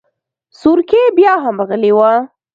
سورکی بياهم غلی و.